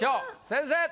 先生！